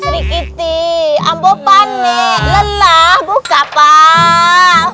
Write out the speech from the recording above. lelah buka pak